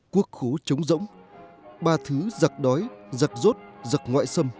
quốc khố chống rỗng ba thứ giặc đói giặc rốt giặc ngoại xâm